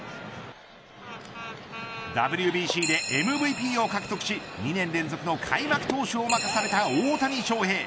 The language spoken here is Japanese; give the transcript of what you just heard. ＷＢＣでＭＶＰを獲得し２年連続の開幕投手を任された大谷翔平。